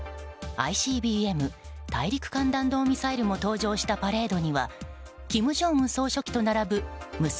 ＩＣＢＭ・大陸間弾道ミサイルも登場したパレードには金正恩総書記と並ぶ娘